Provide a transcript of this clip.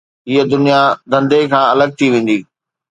هيءَ دنيا ڌنڌي کان الڳ ٿي ويندي